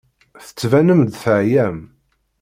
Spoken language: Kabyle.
Tettbanem-d teɛyam.